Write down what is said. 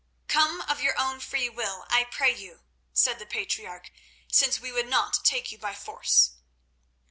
"Come of your own will, I pray you," said the patriarch, "since we would not take you by force."